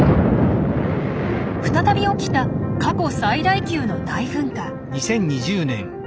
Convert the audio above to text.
再び起きた過去最大級の大噴火！